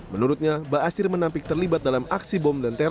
menurutnya bashir menampik terlibat dalam aksi bom dan teror